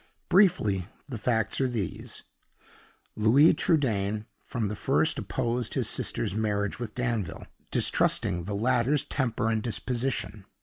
Briefly, the facts are these: Louis Trudaine, from the first, opposed his sister's marriage with Danville, distrusting the latter's temper and disposition.